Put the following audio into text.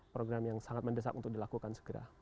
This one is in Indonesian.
program yang sangat mendesak untuk dilakukan segera